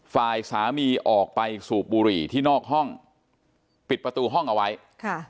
ฝ่ายสามีออกไปสูบบุหรี่ที่นอกห้องปิดประตูห้องเอาไว้ค่ะ